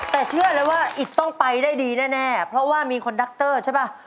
แต่เชื่อเลยว่าอิตต้องไปได้ดีแน่เพราะว่ามีคนดักเตอร์ใช่ป่ะ